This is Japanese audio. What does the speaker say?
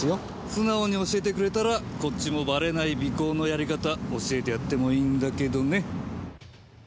素直に教えてくれたらこっちもバレない尾行のやり方教えてやってもいいんだけどね。